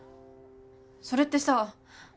それってさ